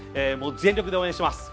全力で応援します。